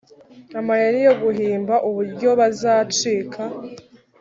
Amayeri yo guhimba uburyo bazacika